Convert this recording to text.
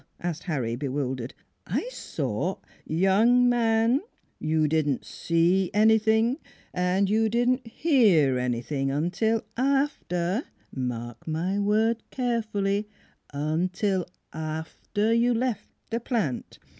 asked Harry, bewil dered. " I saw "" Young man, you didn't see anything and you didn't hear anything until after mark my words carefully until after you left the plant.